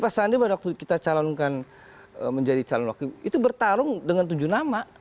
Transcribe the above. pak sandi pada waktu kita calonkan menjadi calon wakil itu bertarung dengan tujuh nama